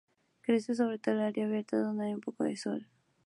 Crece sobre todo en áreas abiertas donde hay un poco de sol.